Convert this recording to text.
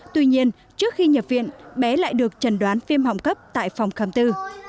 tuy nhiên trước khi nhập viện bé lại được trần đoán viêm họng cấp tại phòng khám tư